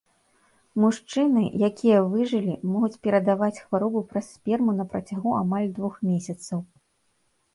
Мужчыны, якія выжылі, могуць перадаваць хваробу праз сперму на працягу амаль двух месяцаў.